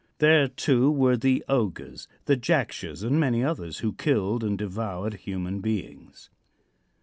There, too, were the ogres, the Jakshas and many others who killed and devoured human beings.